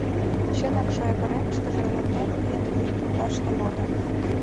Чынак, шоягоремыштыже лондем лийын, вуй пундаште — лодо.